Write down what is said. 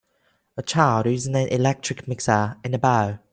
A child using an electric mixer in a bowl.